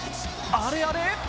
あれあれ？